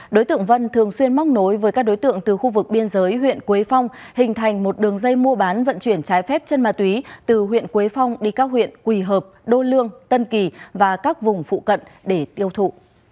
đối tượng vân thường xuyên móc nối với các đối tượng từ khu vực biên giới huyện quế phong hình thành một đường dây mua bán vận chuyển trái phép chân ma túy từ huyện quế phong đi các huyện quỳ hợp đô lương tân kỳ và các vùng phụ cận để tiêu thụ